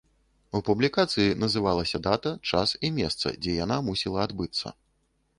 У публікацыі называлася дата, час і месца, дзе яна мусіла адбыцца.